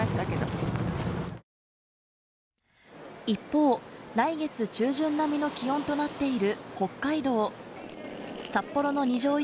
一方来月中旬並みの気温となっている北海道札幌の二条